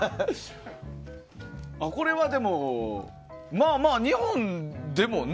これは、でもまあ日本でもね。